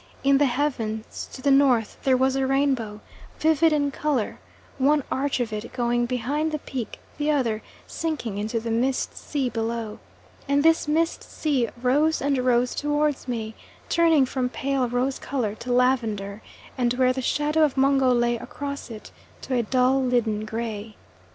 In the heavens, to the north, there was a rainbow, vivid in colour, one arch of it going behind the peak, the other sinking into the mist sea below, and this mist sea rose and rose towards me, turning from pale rose colour to lavender, and where the shadow of Mungo lay across it, to a dull leaden grey.